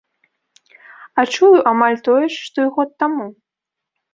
А чую амаль тое ж, што і год таму.